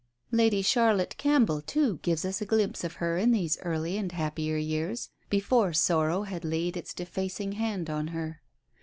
Lady Charlotte Campbell, too, gives us a glimpse of her in these early and happier years, before sorrow had laid its defacing hand on her.